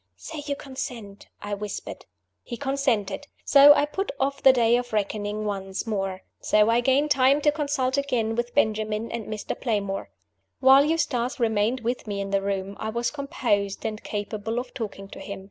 "Say you consent," I whispered. He consented. So I put off the day of reckoning once more. So I gained time to consult again with Benjamin and Mr. Playmore. While Eustace remained with me in the room, I was composed, and capable of talking to him.